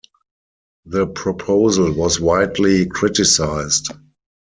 The proposal was widely criticised.